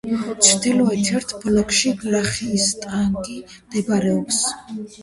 ჩრდილოეთით ერთ ბლოკში რაიხსტაგი მდებარეობს.